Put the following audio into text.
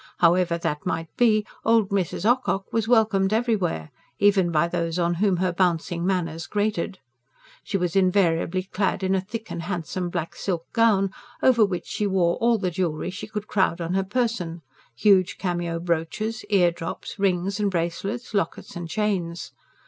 However that might be, "old Mrs. Ocock" was welcomed everywhere even by those on whom her bouncing manners grated. She was invariably clad in a thick and handsome black silk gown, over which she wore all the jewellery she could crowd on her person huge cameo brooches, ear drops, rings and bracelets, lockets and chains.